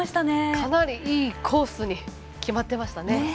かなりいいコースに決まってましたね。